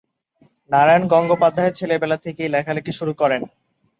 নারায়ণ গঙ্গোপাধ্যায় ছেলেবেলা থেকেই লেখালেখি শুরু করেন।